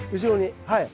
はい。